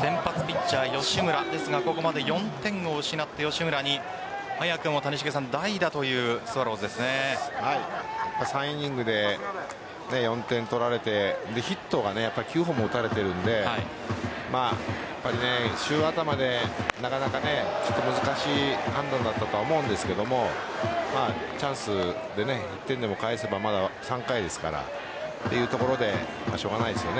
先発ピッチャー・吉村ですがここまで４点を失った吉村に早くも谷繁さん３イニングで４点取られてヒットを９本も打たれているので週頭でなかなか難しい判断だったとは思うんですがチャンスで１点でも返せばまだ３回ですからというところでしょうがないですよね